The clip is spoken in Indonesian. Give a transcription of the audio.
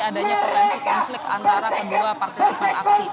adanya potensi konflik antara kedua partisipan aksi